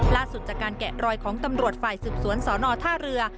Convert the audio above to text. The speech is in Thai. จากการแกะรอยของตำรวจฝ่ายสืบสวนสอนอท่าเรือ